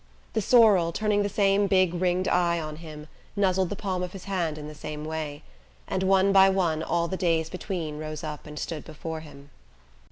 The sorrel, turning the same big ringed eye on him, nuzzled the palm of his hand in the same way; and one by one all the days between rose up and stood before him...